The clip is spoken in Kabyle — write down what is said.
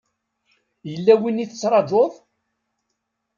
Yella win i tettṛajuḍ?